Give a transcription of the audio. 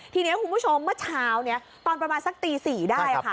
ทีนี้คุณผู้ชมเมื่อเช้านี้ตอนประมาณสักตี๔ได้